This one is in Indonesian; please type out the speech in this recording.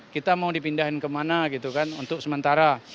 kita mau dipindahin kemana gitu kan untuk sementara